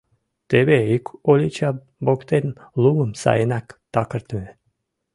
Теве ик олича воктен лумым сайынак такыртыме.